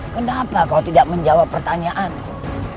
kenapa kau tidak menjawab pertanyaanku